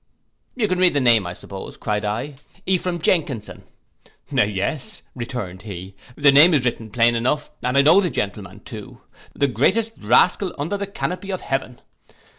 'You can read the name, I suppose,' cried I, 'Ephraim Jenkinson.' 'Yes,' returned he, 'the name is written plain enough, and I know the gentleman too, the greatest rascal under the canopy of heaven.